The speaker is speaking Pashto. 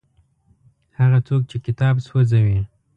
هغه څوک چې کتاب سوځوي.